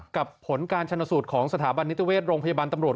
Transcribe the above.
ผลการชนสูตรของสถาบันนิติเวชโรงพยาบาลตำรวจ